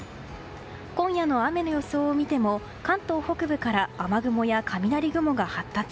今夜の雨の予想を見ても関東北部から雨雲や雷雲が発達。